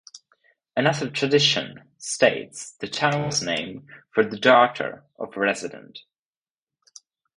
Another tradition states the town was named for the daughter of a resident.